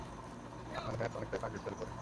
আপনার হ্যাট, অনেকটাই পাগড়ি স্টাইলে পরেন।